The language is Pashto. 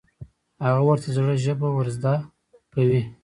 هغه ورته د زړه ژبه ور زده کوي.